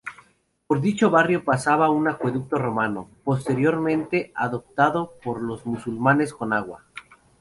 Por dicho barrio pasaba un acueducto romano, posteriormente adaptado por los musulmanes, con agua.